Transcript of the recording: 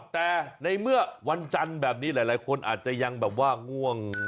แต่ในเมื่อวันจันทร์แบบนี้หลายคนอาจจะยังแบบว่าง่วง